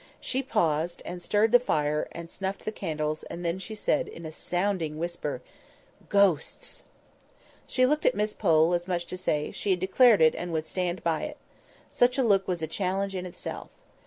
She paused, and stirred the fire, and snuffed the candles, and then she said, in a sounding whisper— "Ghosts!" She looked at Miss Pole, as much as to say, she had declared it, and would stand by it. Such a look was a challenge in itself.